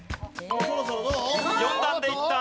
４段でいった！